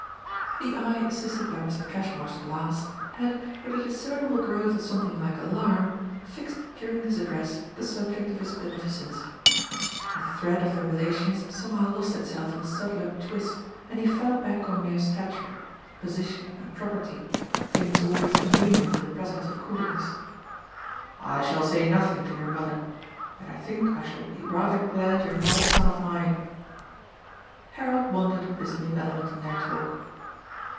The eye assisted by Mr. Cashmore's glass had with a discernible growth of something like alarm fixed during this address the subject of his beneficence. The thread of their relations somehow lost itself in the subtler twist, and he fell back on mere stature, position and property, things always convenient in the presence of crookedness. "I shall say nothing to your mother, but I think I shall be rather glad you're not a son of mine." Harold wondered at this new element in their talk.